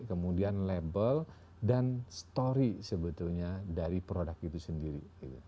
kemudian label dan story sebetulnya dari produk itu sendiri